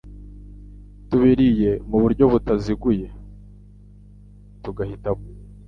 tubiriye mu buryo butaziguye, tugahitamo